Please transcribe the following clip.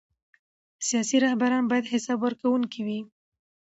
سیاسي رهبران باید حساب ورکوونکي وي